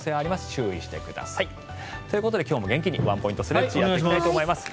注意してください。ということで今日も元気にワンポイントストレッチをやっていきたいと思います。